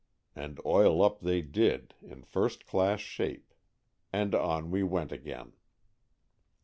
And "oil up" they did in first class shape, and on we went again.